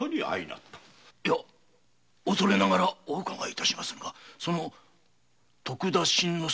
いや恐れながら伺いまするがその徳田新之助